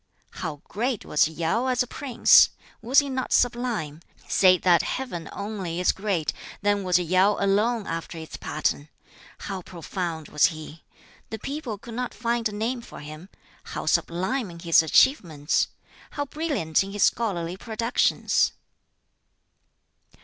"How great was Yau as a prince! Was he not sublime! Say that Heaven only is great, then was Yau alone after its pattern! How profound was he! The people could not find a name for him. How sublime in his achievements! How brilliant in his scholarly productions!"